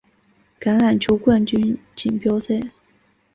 橄榄球冠军锦标赛。